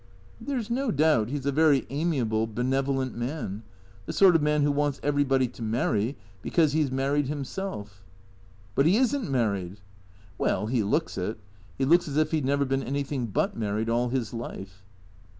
"" There 's no doubt he 's a very amiable, benevolent man. The sort of man who wants everybody to marry because he 's married himself." " But he is n't married." " Well, he looks it. He looks as if he 'd never been anything hilt married all his life."